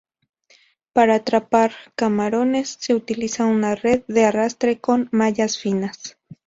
Para atrapar camarones, se utiliza una red de arrastre con mallas finas.